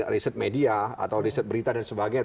riset media atau riset berita dan sebagainya